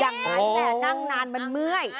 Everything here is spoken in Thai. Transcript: อย่างนั้นแหละนั่งนานมันเมื่อย